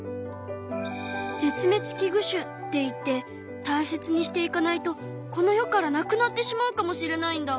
絶滅危惧種っていって大切にしていかないとこの世からなくなってしまうかもしれないんだ。